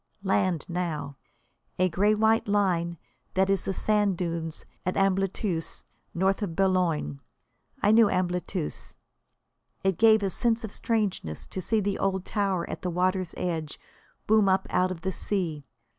Land now a grey white line that is the sand dunes at Ambleteuse, north of Boulogne. I knew Ambleteuse. It gave a sense of strangeness to see the old tower at the water's edge loom up out of the sea.